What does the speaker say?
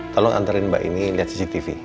tolong antarin mbak ini lihat cctv